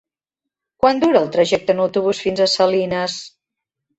Quant dura el trajecte en autobús fins a Salines?